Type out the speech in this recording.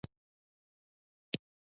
توازون د فکر ورک شو